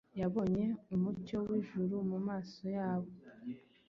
Yabonye umucyo w’ijuru mu maso yabo;